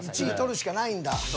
１位取るしかないんだ。